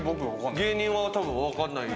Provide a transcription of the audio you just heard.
芸人は多分わかんない。